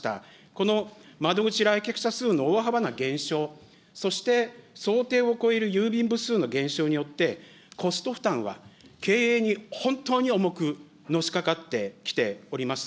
この窓口来客者数の大幅な減少、そして想定を超える郵便部数の減少によって、コスト負担は、経営に本当に重くのしかかってきております。